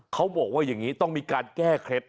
เขาบอกว่าอย่างนี้ต้องมีการแก้เคล็ด